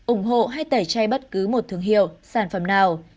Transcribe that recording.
ủng hộ hay tẩy chay bất cứ một thương hiệu sản phẩm nào